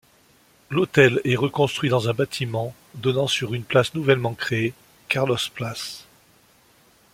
L'hôtel est reconstruit dans un bâtiment donnant sur une place nouvellement créée, Carlos Place.